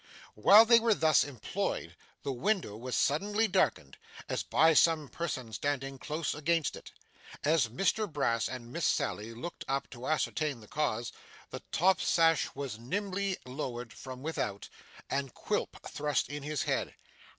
While they were thus employed, the window was suddenly darkened, as by some person standing close against it. As Mr Brass and Miss Sally looked up to ascertain the cause, the top sash was nimbly lowered from without, and Quilp thrust in his head.